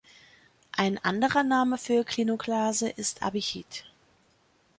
Ein anderer Name für Klinoklase ist Abichit.